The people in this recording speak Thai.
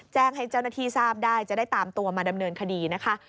แจ้งให้เจ้าหน้าที่ทราบได้จะได้ตามตัวมาดำเนินคดีนะคะ